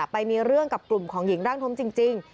ไปมีเรื่องกับกลุ่มของหญิงร่างท้มจริง